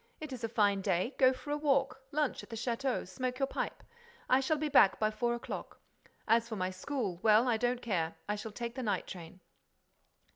It is a fine day. Go for a walk, lunch at the château, smoke your pipe. I shall be back by four o'clock. As for my school, well, I don't care: I shall take the night train."